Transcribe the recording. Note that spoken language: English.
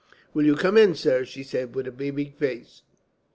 "Will you come in, sir?" she said, with a beaming face.